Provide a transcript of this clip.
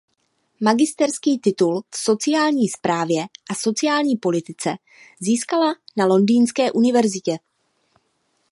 Magisterský titul v sociální správě a sociální politice získala na Londýnské univerzitě.